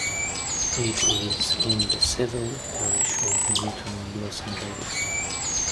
It is in the civil parish of Newton Blossomville.